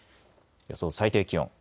予想最低気温。